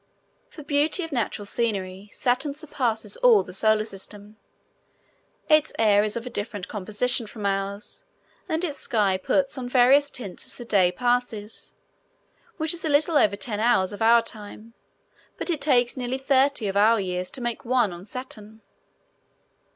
For beauty of natural scenery, Saturn surpasses all the Solar System. Its air is of a different composition from ours, and its sky puts on various tints as the day passes, which is a little over ten hours of our time, but it takes nearly thirty of our years to make one on Saturn.